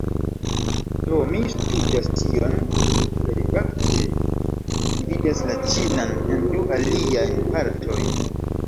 Do, mi studas tion kaj, fakte, mi dividas la ĉinan en du aliajn partojn